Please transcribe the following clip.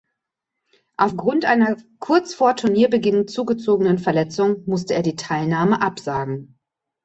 Aufgrund einer kurz vor Turnierbeginn zugezogenen Verletzung musste er die Teilnahme absagen.